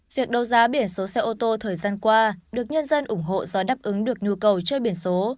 việc đấu giá biển số xe ô tô thời gian qua được nhân dân ủng hộ do đáp ứng được nhu cầu chơi biển số